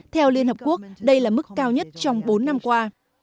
theo liên hợp quốc đây là mức cao nhất trong bốn năm qua